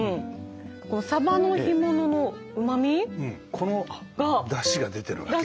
この出汁が出てるわけよ。